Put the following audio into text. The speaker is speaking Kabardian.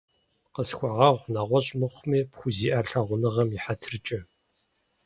Къысхуэгъэгъу, нэгъуэщӀ мыхъуми, пхузиӀа лъагъуныгъэм и хьэтыркӀэ.